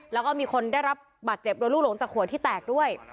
แล้วก็มีคนได้รับบาดเจ็บโดนลูกหลงจากขวดที่แตกด้วย